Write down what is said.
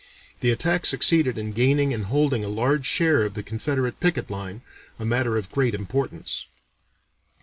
The attack succeeded in gaining and holding a large share of the Confederate picket line, a matter of great importance.